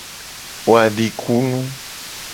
Wo adikunu.